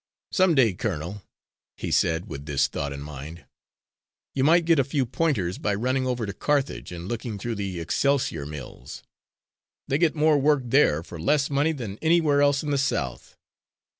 "Some day, Colonel," he said, with this thought in mind, "you might get a few pointers by running over to Carthage and looking through the Excelsior Mills. They get more work there for less money than anywhere else in the South.